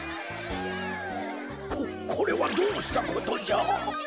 ここれはどうしたことじゃ？